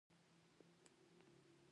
د کار ساعتونه څومره دي؟